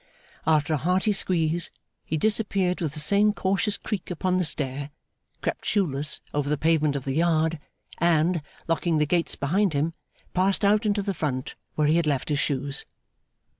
After a hearty squeeze, he disappeared with the same cautious creak upon the stair, crept shoeless over the pavement of the yard, and, locking the gates behind him, passed out into the front where he had left his shoes.